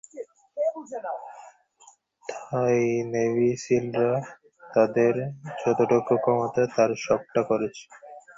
থাই navy সিলরা তাদের যতটুকু ক্ষমতা তার সবটা করেছে।